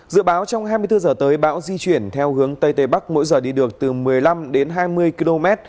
dự báo trong hai mươi bốn giờ tới bão di chuyển theo hướng tây tây bắc mỗi giờ đi được từ một mươi năm đến hai mươi km